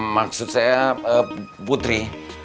maksud saya putri